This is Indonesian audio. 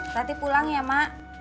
tadi pulang ya mak